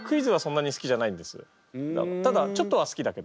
ただちょっとは好きだけど。